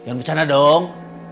jangan bercanda dong